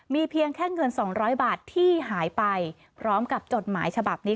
มีเพียงแค่เงิน๒๐๐บาทที่หายไปพร้อมกับจดหมายฉบับนี้